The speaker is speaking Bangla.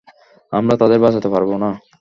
আমরা তাদের বাঁচাতে পারব না।